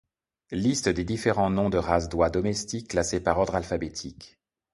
Liste des différents noms de races d'oies domestiques classés par ordre alphabétique.